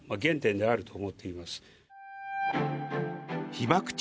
被爆地